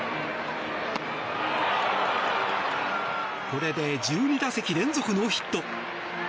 これで１２打席連続ノーヒット。